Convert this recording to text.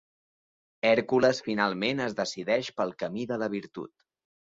Hèrcules finalment es decideix pel camí de la virtut.